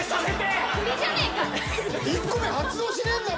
振りじゃねえか。